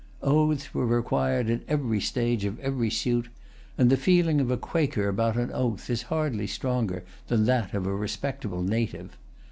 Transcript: Oaths were required in every stage of every suit; and the feeling[Pg 170] of a Quaker about an oath is hardly stronger than that of a respectable native.